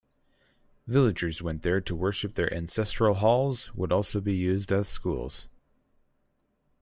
Villagers went there to worship their ancestral halls would also be used as schools.